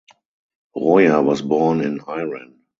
Roya was born in Iran.